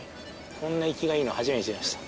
こんな生きがいいの初めて見ました。